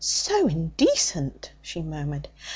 'So indecent!' she murmured.